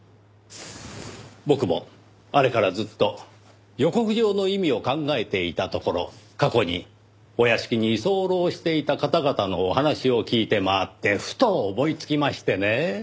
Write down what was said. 僕もあれからずっと予告状の意味を考えていたところ過去にお屋敷に居候していた方々のお話を聞いて回ってふと思いつきましてねぇ。